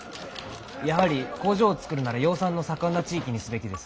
やはり工場を造るなら養蚕の盛んな地域にすべきです。